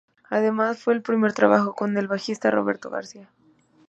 Además, fue el primer trabajo con el bajista Roberto García.